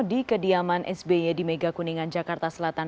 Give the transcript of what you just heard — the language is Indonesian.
di kediaman sby di mega kuningan jakarta selatan